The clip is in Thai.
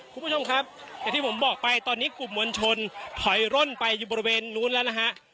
คุณผู้ชมครับอย่างที่ผมบอกไปตอนนี้กลุ่มมวลชนถอยร่นไปอยู่บริเวณนู้นแล้วนะฮะ